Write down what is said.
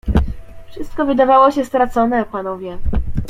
"Wszystko wydawało się stracone, panowie."